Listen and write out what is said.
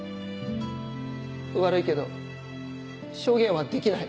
悪いけど証言はできない。